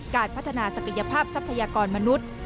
การพัฒนาศักยภาพทรัพยากรมนุษย์